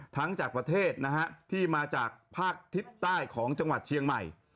จากประเทศนะฮะที่มาจากภาคทิศใต้ของจังหวัดเชียงใหม่